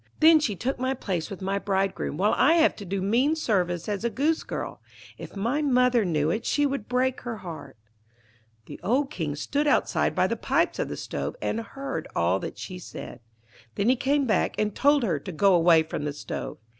Then she took my place with my bridegroom, while I have to do mean service as a Goosegirl. If my mother knew it she would break her heart.' The old King stood outside by the pipes of the stove, and heard all that she said. Then he came back, and told her to go away from the stove.